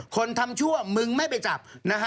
คนทำชั่วมึงไม่ไปจับนะฮะ